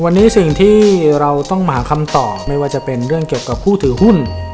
วันนี้สิ่งที่เราต้องหาคำตอบไม่ว่าจะเป็นเรื่องเกี่ยวกับผู้ถือหุ้น